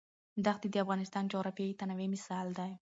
دښتې د افغانستان د جغرافیوي تنوع مثال دی.